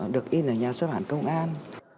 được in ở nhà xuất bản công an